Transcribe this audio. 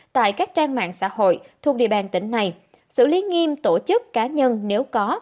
tại các trang mạng xã hội thuộc địa bàn tỉnh này xử lý nghiêm tổ chức cá nhân nếu có